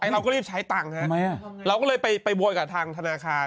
ไอ้เราก็รีบใช้ตังค์ทำไมอ่ะเราก็เลยไปไปโบยกับทางธนาคาร